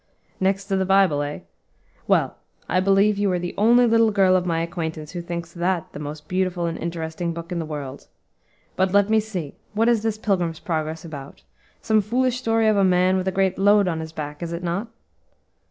"Next to the Bible, eh? well, I believe you are the only little girl of my acquaintance who thinks that the most beautiful and interesting book in the world. But, let me see, what is this 'Pilgrim's Progress' about? some foolish story of a man with a great load on his back; is it not?"